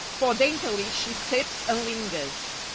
For daintily she sips and lingers.